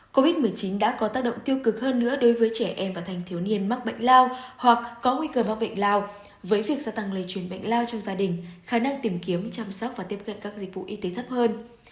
covid một mươi chín đã có tác động tiêu cực hơn nữa đối với trẻ em và thanh thiếu niên mắc bệnh lao hoặc có nguy cơ mắc bệnh lao với việc gia tăng lây truyền bệnh lao trong gia đình khả năng tìm kiếm chăm sóc và tiếp cận các dịch vụ y tế thấp hơn